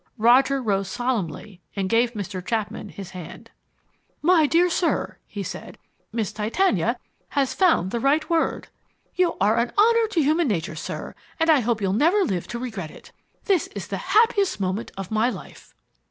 Roger rose solemnly and gave Mr. Chapman his hand. "My dear sir," he said, "Miss Titania has found the right word. You are an honour to human nature, sir, and I hope you'll never live to regret it. This is the happiest moment of my life."